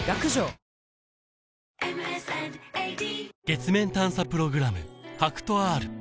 月面探査プログラム